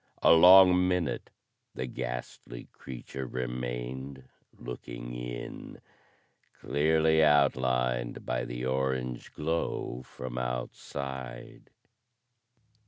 A long minute the ghastly creature remained looking in, clearly outlined by the orange glow from outside.